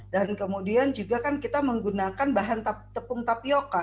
dan kemudian juga kita menggunakan bahan tepung tapioca